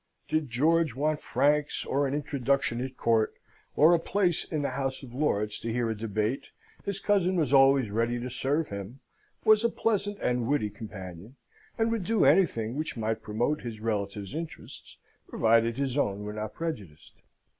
Did George want franks, or an introduction at court, or a place in the House of Lords to hear a debate, his cousin was always ready to serve him, was a pleasant and witty companion, and would do anything which might promote his relative's interests, provided his own were not prejudiced.